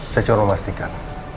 saya coba memastikan